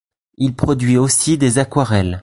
Il produit aussi des aquarelles.